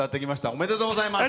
おめでとうございます。